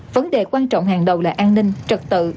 vấn đề quan trọng hàng đầu là an ninh trật tự